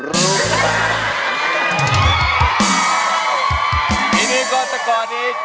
รูมีปาน